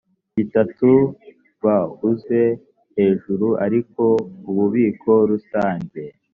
bitatu b uzwe hejuru ariko ububiko rusange